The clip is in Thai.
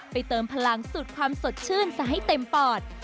เติมพลังสูตรความสดชื่นซะให้เต็มปอด